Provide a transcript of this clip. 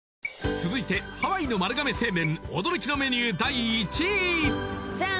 続いてハワイの丸亀製麺驚きのメニュー第１位ジャン！